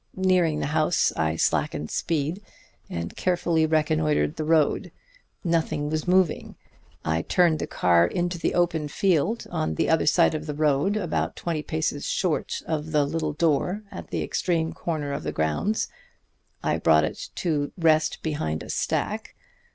Nearing the house I slackened speed, and carefully reconnoitered the road. Nothing was moving. I turned the car into the open field on the other side of the road, about twenty paces short of the little door at the extreme corner of the grounds. I brought it to rest behind a stack.